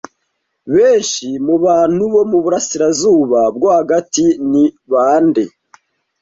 Benshi mubantu bo muburasirazuba bwo hagati ni bande